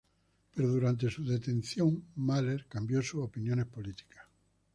Pero durante su detención, Mahler cambió sus opiniones políticas.